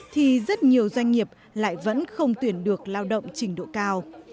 thì rất nhiều doanh nghiệp lại vẫn không tuyển được lao động trình độ cao